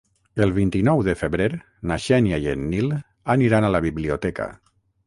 El vint-i-nou de febrer na Xènia i en Nil aniran a la biblioteca.